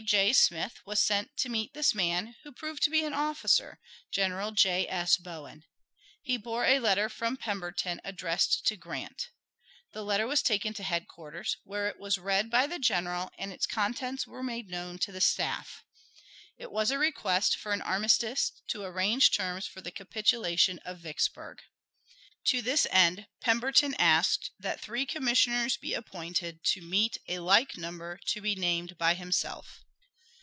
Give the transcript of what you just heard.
J. Smith was sent to meet this man, who proved to be an officer, General J. S. Bowen. He bore a letter from Pemberton addressed to Grant. The letter was taken to headquarters, where it was read by the general and its contents were made known to the staff. It was a request for an armistice to arrange terms for the capitulation of Vicksburg. To this end Pemberton asked that three commissioners be appointed to meet a like number to be named by himself.